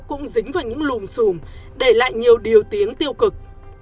cũng dính vào những lùm xùm để lại nhiều điều tiếng tiêu cực